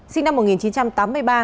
sinh năm một nghìn chín trăm tám mươi ba